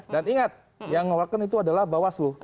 dan ingat yang mengeluarkan itu adalah bawasluh